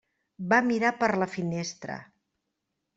Va mirar per la finestra.